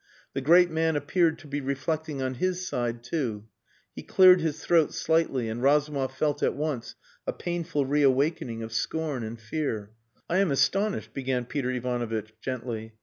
The great man appeared to be reflecting on his side too. He cleared his throat slightly, and Razumov felt at once a painful reawakening of scorn and fear. "I am astonished," began Peter Ivanovitch gently.